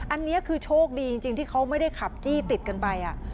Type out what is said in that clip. อันนี้คือโชคดีจริงที่เขาไม่ได้ขับจี้ติดกันไป